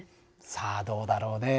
さあどうだろうね。